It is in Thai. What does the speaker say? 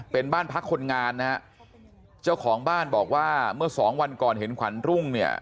เป็นบ้านพักคนงานนะฮะเจ้าของบ้านบอกว่าเมื่อสองวันก่อนเห็นขวัญรุ่งเนี่ย